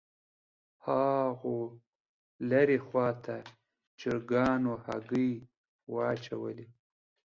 هاغو لرې خوا ته چرګانو هګۍ واچولې